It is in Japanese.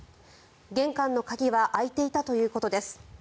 玄関の鍵は開いていたということです。